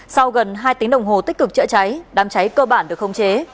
sau gần hai tiếng đồng hồ tích cực chữa cháy đám cháy cơ bản được khống chế